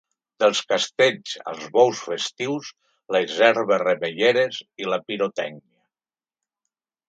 Dels castells als bous festius, les herbes remeieres i la pirotècnia.